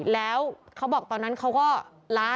แล้วเขาบอกตอนนั้นเขาก็ล้า